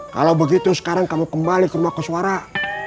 kalau begitu sekarang kamu kembali ke rumah kos warah